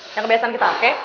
yang kebiasaan kita oke